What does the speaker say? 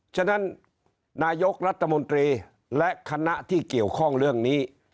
ฉะนั้นนายกรัฐมนตรีและคณะที่เกี่ยวข้องเรื่องนี้